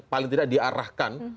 paling tidak diarahkan